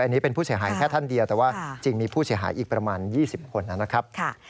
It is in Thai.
อันนี้เป็นผู้เสียหายแค่ท่านเดียวแต่ว่าจริงมีผู้เสียหายอีกประมาณ๒๐คนนะครับ